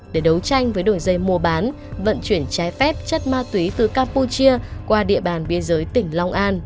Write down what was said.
để đấu tranh với đường dây mua bán vận chuyển trái phép chất ma túy từ campuchia qua địa bàn biên giới tỉnh long an